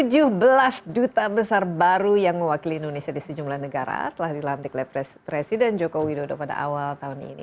tujuh belas duta besar baru yang mewakili indonesia di sejumlah negara telah dilantik oleh presiden joko widodo pada awal tahun ini